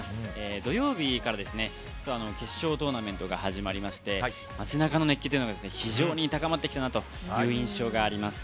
土曜日から決勝トーナメントが始まりまして街中の熱気というのが非常に高まってきたなという印象があります。